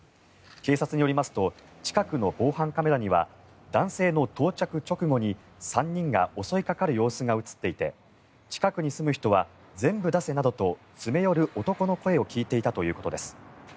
警察によりますと近くの防犯カメラには男性の到着直後に３人が襲いかかる様子が映っていて近くに住む人は全部出せなどと詰め寄る男の声を聞いていたということです。